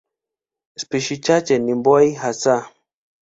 Spishi chache ni mbuai hasa.